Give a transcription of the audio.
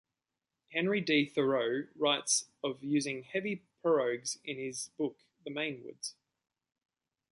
Henry D. Thoreau writes of using heavy pirogues in his book "The Maine Woods".